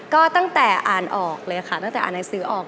ก็ตั้งแต่อ่านออกเลยค่ะตั้งแต่อ่านหนังสือออก